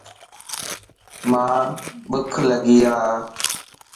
مان ٻک لڳي ا.